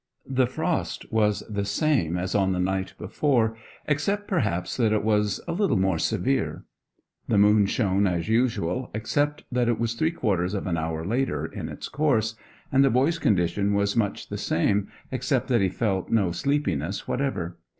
The frost was the same as on the night before, except perhaps that it was a little more severe. The moon shone as usual, except that it was three quarters of an hour later in its course; and the boy's condition was much the same, except that he felt no sleepiness whatever.